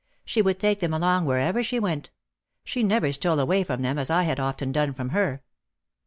She would take them along wherever she went. She never stole away from them as I had often done from her.